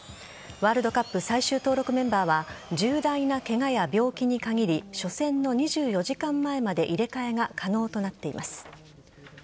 ワールドカップ最終登録メンバーは重大なケガや病気に限り初戦の２４時間前まで入れ替えが可能となっています。